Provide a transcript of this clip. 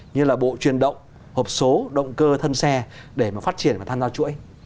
như là bộ truyền động hộp số động cơ thân xe để mà phát triển và tham gia chuỗi